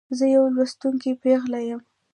زه یوه لوستې پیغله يمه.